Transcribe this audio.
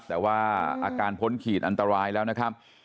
แต่ว่าอาการพ้นขีดอันตรายแล้วนะครับ